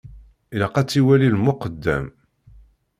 Ilaq ad tt-iwali lmuqeddem.